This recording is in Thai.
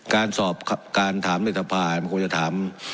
การสอบการถามในสภามันคงจะถาม